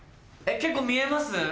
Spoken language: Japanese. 結構見えます？